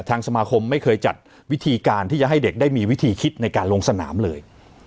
สมาคมไม่เคยจัดวิธีการที่จะให้เด็กได้มีวิธีคิดในการลงสนามเลย